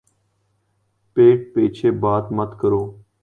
پِیٹھ پیچھے بات مت کرو